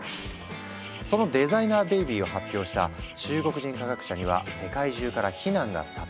そのデザイナーベビーを発表した中国人科学者には世界中から非難が殺到。